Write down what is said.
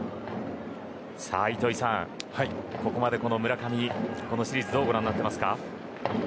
糸井さん、ここまで村上このシリーズどうご覧になっていますか？